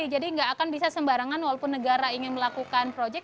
jadi nggak akan bisa sembarangan walaupun negara ingin melakukan proyek